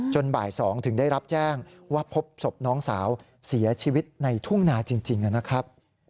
บ่าย๒ถึงได้รับแจ้งว่าพบศพน้องสาวเสียชีวิตในทุ่งนาจริงนะครับ